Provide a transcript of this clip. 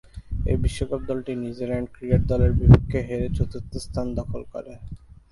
ঐ বিশ্বকাপে দলটি নিউজিল্যান্ড ক্রিকেট দলের বিপক্ষে হেরে চতুর্থ স্থান দখল করে।